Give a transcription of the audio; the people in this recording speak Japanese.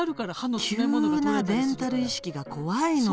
急なデンタル意識が怖いのよ。